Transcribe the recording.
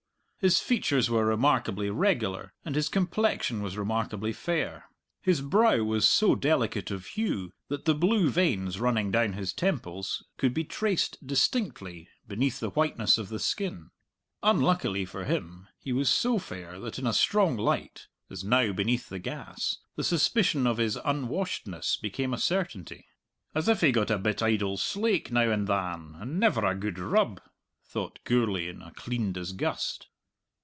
His features were remarkably regular, and his complexion was remarkably fair. His brow was so delicate of hue that the blue veins running down his temples could be traced distinctly beneath the whiteness of the skin. Unluckily for him, he was so fair that in a strong light (as now beneath the gas) the suspicion of his unwashedness became a certainty "as if he got a bit idle slaik now and than, and never a good rub," thought Gourlay in a clean disgust.